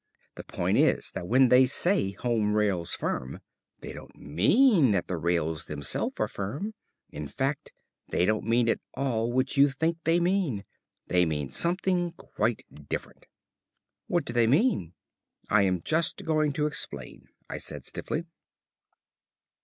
The point is that when they say 'Home Rails Firm,' they don't mean that the rails themselves are firm. In fact they don't mean at all what you think they mean. They mean something quite different." "What do they mean?" "I am just going to explain," I said stiffly.